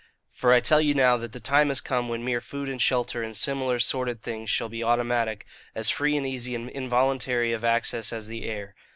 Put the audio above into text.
For I tell you now that the time has come when mere food and shelter and similar sordid things shall be automatic, as free and easy and involuntary of access as the air.